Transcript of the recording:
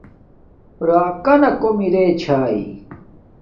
راکانا کوم ارے چھاݵ